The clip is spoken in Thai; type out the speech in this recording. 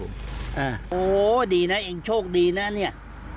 โอ้ดีนะเองโชคดีนะเนี่ย